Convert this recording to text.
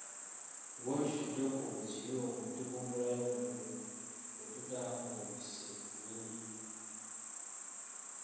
Bwe tutyo twekuba ekiyungu ne tuvumbulayo omuliro gwe tutaavumbise nnyini.